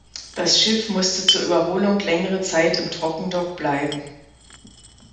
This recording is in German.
Das Schiff musste zur Überholung längere Zeit im Trockendock bleiben.